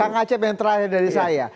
pak nacip yang terakhir dari saya